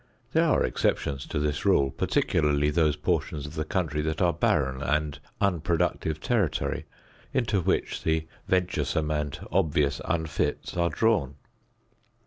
There are exceptions to this rule, particularly those portions of the country that are barren and unproductive territory into which the venturesome and obvious unfits are drawn.